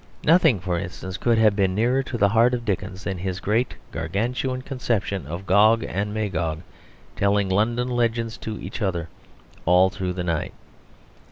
Nothing, for instance, could have been nearer to the heart of Dickens than his great Gargantuan conception of Gog and Magog telling London legends to each other all through the night.